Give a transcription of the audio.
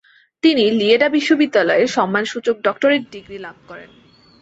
তিনি লিয়েডা বিশ্ববিদ্যালয়-এর সম্মানসূচক ডক্টরেট ডিগ্রী লাভ করেন।